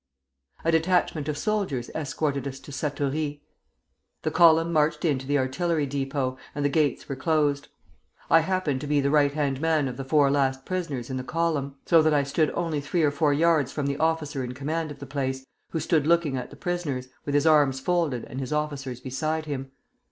A detachment of soldiers escorted us to Satory. The column marched in to the artillery depot, and the gates were closed. I happened to be the right hand man of the four last prisoners in the column, so that I stood only three or four yards from the officer in command of the place, who stood looking at the prisoners, with his arms folded and his officers beside him.